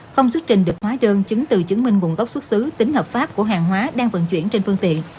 không xuất trình được hóa đơn chứng từ chứng minh nguồn gốc xuất xứ tính hợp pháp của hàng hóa đang vận chuyển trên phương tiện